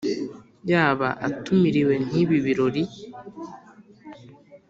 Yaba atumiriwe nk'ibi birori